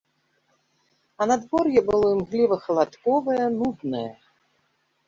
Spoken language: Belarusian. А надвор'е было імгліва-халадковае, нуднае.